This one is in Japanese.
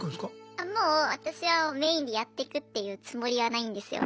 あもう私はメインでやっていくっていうつもりはないんですよ。